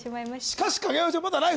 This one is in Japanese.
しかし影山ちゃんまだライフ